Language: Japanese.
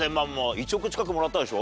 １億近くもらったでしょ？